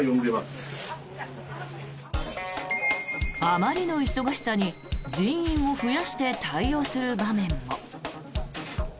あまりの忙しさに人員を増やして対応する場面も。